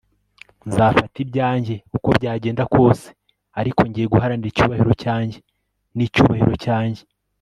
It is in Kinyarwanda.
nzafata ibyanjye, uko byagenda kose, ariko ngiye guharanira icyubahiro cyanjye n'icyubahiro cyanjye